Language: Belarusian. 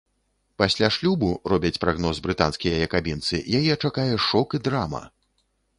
Пасля шлюбу, робяць прагноз брытанскія якабінцы, яе чакае шок і драма.